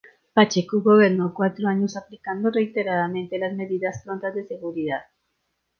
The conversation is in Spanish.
Pacheco gobernó cuatro años aplicando reiteradamente las medidas prontas de seguridad.